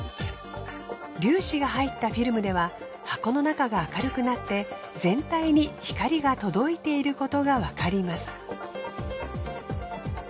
粒子が入ったフィルムでは箱の中が明るくなって全体に光が届いていることがわかります。